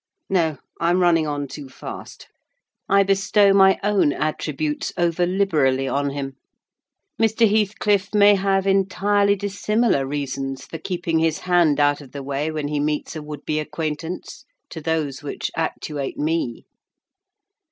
No, I'm running on too fast: I bestow my own attributes over liberally on him. Mr. Heathcliff may have entirely dissimilar reasons for keeping his hand out of the way when he meets a would be acquaintance, to those which actuate me.